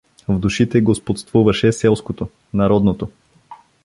В душите господствуваше селското, народното.